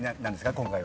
今回は。